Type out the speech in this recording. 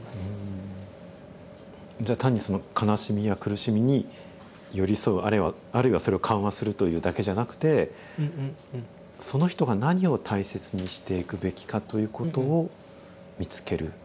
じゃあ単にその悲しみや苦しみに寄り添うあるいはそれを緩和するというだけじゃなくてその人が何を大切にしていくべきかということを見つける。